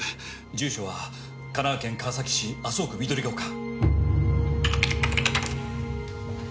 住所は神奈川県川崎市麻生区緑ヶ丘。